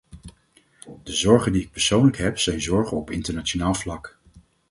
De zorgen die ik persoonlijk heb, zijn zorgen op internationaal vlak.